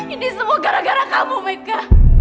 ini semua gara gara kamu mega